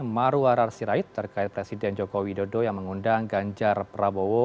marwarar sirait terkait presiden joko widodo yang mengundang ganjar prabowo